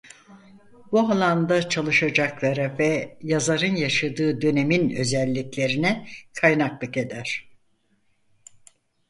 Bu alanda çalışacaklara ve yazarın yaşadığı dönemin özelliklerine kaynaklık eder.